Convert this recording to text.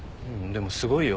でもすごいよ。